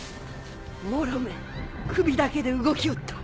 モロめ首だけで動きおった。